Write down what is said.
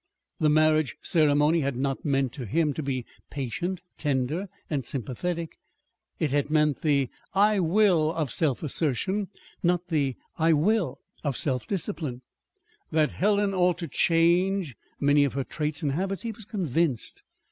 The marriage ceremony had not meant to him "to be patient, tender, and sympathetic." It had meant the "I will" of self assertion, not the "I will" of self discipline. That Helen ought to change many of her traits and habits he was convinced.